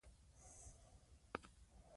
دوی وویل چې موږ باید نوي نښې جوړې کړو.